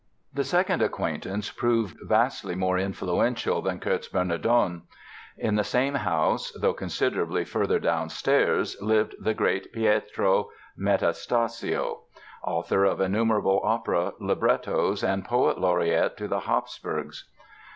The second acquaintance proved vastly more influential than Kurz Bernardon. In the same house—though considerably further downstairs lived the great Pietro Metastasio, author of innumerable opera librettos and poet laureate to the Habsburgs.